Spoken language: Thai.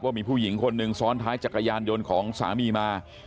มีผู้หญิงคนหนึ่งซ้อนท้ายจักรยานยนต์ของสามีมา